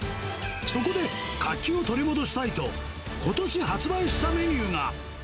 そこで、活気を取り戻したいと、ことし発売したメニューが。